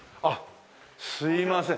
すいません。